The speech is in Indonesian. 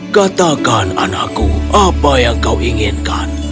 katakan anakku apa yang kau inginkan